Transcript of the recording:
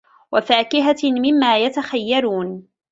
وَفاكِهَةٍ مِمّا يَتَخَيَّرونَ